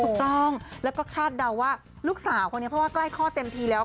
ถูกต้องแล้วก็คาดเดาว่าลูกสาวคนนี้เพราะว่าใกล้ข้อเต็มทีแล้ว